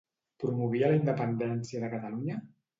Promovia la independència de Catalunya?